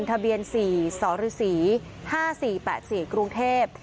ทะเบียน๔สรศรี๕๔๘๔กรุงเทพฯ